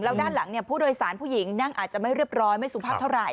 แล้วด้านหลังผู้โดยสารผู้หญิงนั่งอาจจะไม่เรียบร้อยไม่สุภาพเท่าไหร